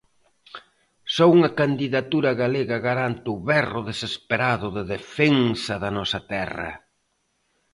Só unha candidatura galega garante o berro desesperado de defensa da nosa terra.